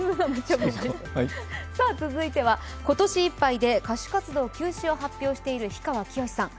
続いては今年いっぱいで歌手活動休止を発表している氷川きよしさん。